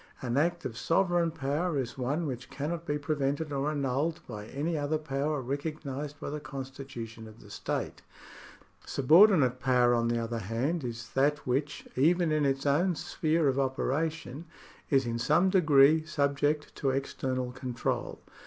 An act of sovereign power is one which cannot be prevented or annulled by any other power recognised by the constitution of the state. Subordinate power, on the other hand, is that which, even in its own sphere of operation, is in some degree subject to external control.